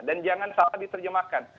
dan jangan salah diterjemahkan